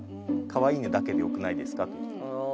「かわいいね」だけでよくないですかと。